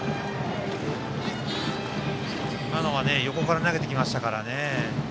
今のは横から投げてきましたからね。